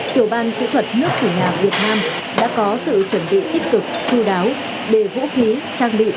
tiểu ban kỹ thuật nước chủ nhà việt nam đã có sự chuẩn bị tích cực chú đáo để vũ khí trang bị